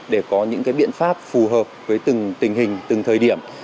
để có những biện pháp phù hợp với từng tình hình từng thời điểm